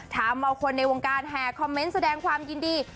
ถามบางคนในวงการแฮร์คอมเม้นต์แสดงความยินดี